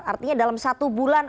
artinya dalam satu bulan